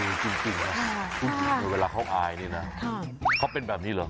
เออจริงครับเวลาเขาอายดีนะเขาเป็นแบบนี้เหรอ